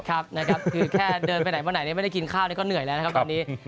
คือแค่เดินไปไหนมาไหนไม่ได้กินข้าวนี่ก็เหนื่อยแล้วนะครับตอนนี้